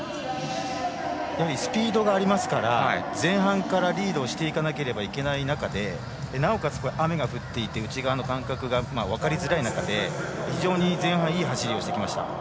やはりスピードがありますから前半からリードをしていかなければいけない中でなおかつ雨が降っていて内側の間隔が分かりづらい中非常に前半、いい走りでした。